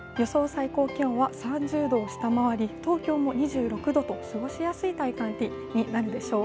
最高気温は３０度を下回り、東京も２６度と過ごしやすい体感になるでしょう